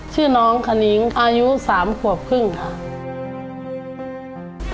ชื่อน้องขนิ้งอายุ๓ขวบครึ่งค่ะ